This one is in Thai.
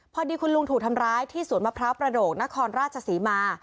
พอดีคุณลุงถูกทำร้ายที่สวนมะพร้าวประโดกนครราชศรีมา